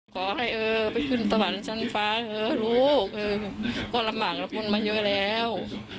ขอให้เออไปขึ้นสวรรค์ชั้นฟ้าเถอะลูกก็ลำบากลำพ่นมาเยอะแล้ว